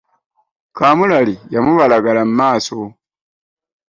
Kamulali yamubalagala mu maaso.